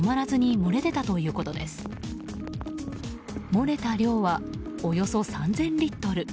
漏れた量はおよそ３０００リットル。